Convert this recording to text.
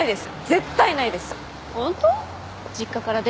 絶対ないです！